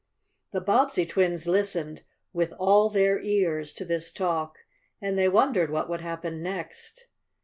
The Bobbsey twins listened "with all their ears" to this talk, and they wondered what would happen next.